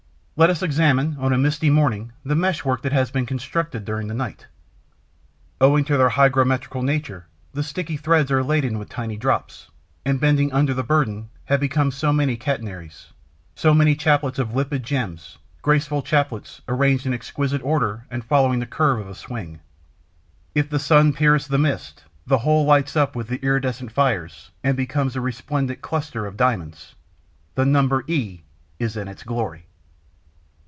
Let us examine, on a misty morning, the meshwork that has been constructed during the night. Owing to their hygrometrical nature, the sticky threads are laden with tiny drops, and, bending under the burden, have become so many catenaries, so many chaplets of limpid gems, graceful chaplets arranged in exquisite order and following the curve of a swing. If the sun pierce the mist, the whole lights up with iridescent fires and becomes a resplendent cluster of diamonds. The number e is in its glory.